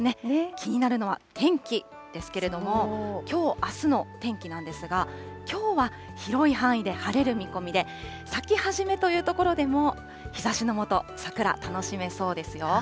気になるのは天気ですけれども、きょう、あすの天気なんですが、きょうは広い範囲で晴れる見込みで、咲き始めという所でも、日ざしの下、桜、楽しめそうですよ。